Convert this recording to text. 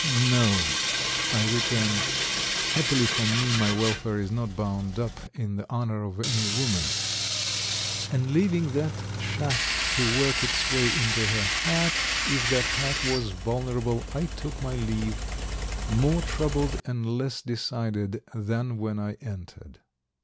"No," I returned; "happily for me, my welfare is not bound up in the honor of any woman," and leaving that shaft to work its way into her heart if that heart was vulnerable, I took my leave, more troubled and less decided than when I entered.